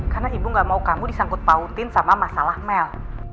karena ibu gak mau kamu disangkut pautin sama masalah mel